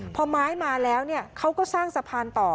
พอไม้มาแล้วเขาก็สร้างสะพานต่อ